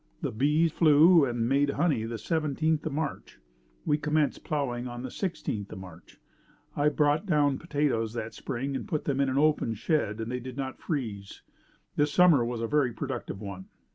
The bees flew and made honey the seventeenth of March. We commenced plowing on the sixteenth of March. I brought down potatoes that spring and put them in an open shed and they did not freeze. This summer was a very productive one.